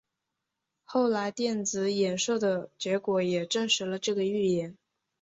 后来电子衍射的结果也证实了这个预言。